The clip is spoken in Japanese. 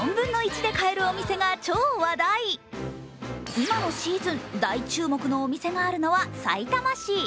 今のシーズン、大注目のお店があるのはさいたま市。